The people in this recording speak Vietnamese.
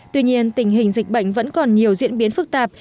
tuy nhiên tình hình dịch bệnh vẫn còn nhiều diễn biến phức tạp